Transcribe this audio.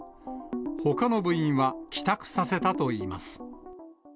ほかの部員は帰宅させたといいます。